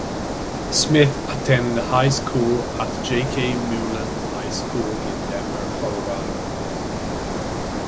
Smith attended high school at J. K. Mullen High School in Denver, Colorado.